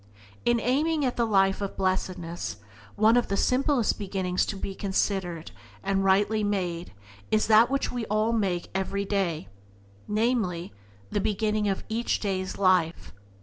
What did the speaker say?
In aiming at the life of Blessedness one of the simplest beginnings to be considered and rightly made is that which we all make everyday — namely, the beginning of each day's life.